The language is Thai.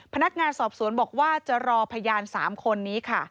พนักงานสอบสวนบอกว่าจะรอพยาน๓คนนี้ค่ะ